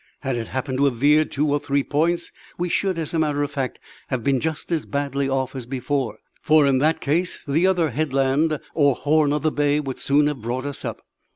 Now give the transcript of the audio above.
Had it happened to have veered two or three points we should, as a matter of fact, have been just as badly off as before, for in that case the other headland or horn of the bay would soon have brought us up.